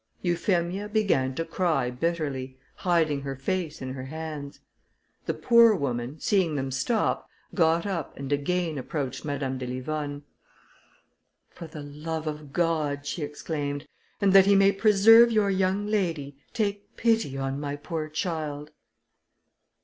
Euphemia began to cry bitterly, hiding her face in her hands. The poor woman, seeing them stop, got up and again approached Madame de Livonne. "For the love of God," she exclaimed, "and that he may preserve your young lady, take pity on my poor child!"